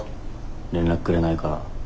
連絡くれないから。